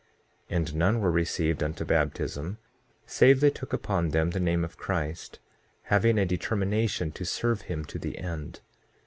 6:3 And none were received unto baptism save they took upon them the name of Christ, having a determination to serve him to the end.